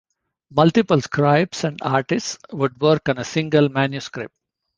Multiple scribes and artists would work on a single manuscript.